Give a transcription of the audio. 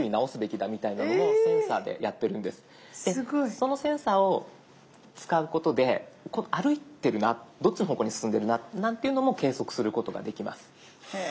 そのセンサーを使うことで歩いてるなどっちの方向に進んでるななんていうのも計測することができます。